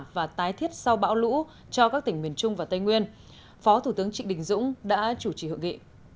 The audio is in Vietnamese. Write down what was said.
và tái thiết sau bão lũ cho các tỉnh miền trung và tây nguyên phó thủ tướng trịnh đình dũng đã chủ trì hội nghị